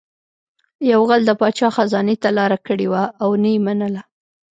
یو غل د پاچا خزانې ته لاره کړې وه او نه یې منله